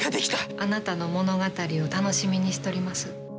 あなたの物語を楽しみにしとります。